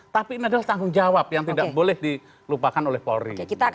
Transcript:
tapi ini adalah tanggung jawab yang tidak boleh dilupakan oleh polri